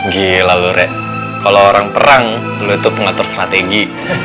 gila lu rek kalau orang perang lu itu pengatur strategi